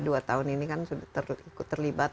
dua tahun ini kan sudah ikut terlibat